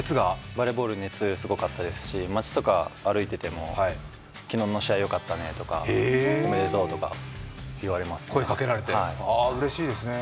バレーボール熱すごかったですし街とか歩いてても昨日の試合良かったねとかおめでとうとか言われますね。